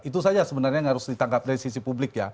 itu saja sebenarnya yang harus ditangkap dari sisi publik ya